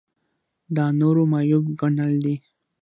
دا نورو معیوب ګڼل دي.